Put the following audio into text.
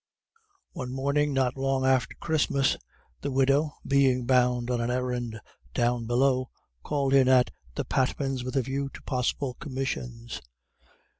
One morning not long after Christmas, the widow, being bound on an errand down below, called in at the Patmans' with a view to possible commissions.